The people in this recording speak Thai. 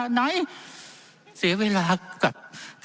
ทั้งสองกรณีผลเอกประยุทธ์